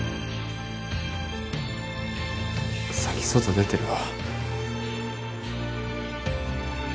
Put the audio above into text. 先外出てるわ